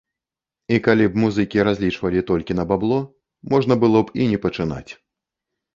І калі б музыкі разлічвалі толькі на бабло, можна было б і не пачынаць.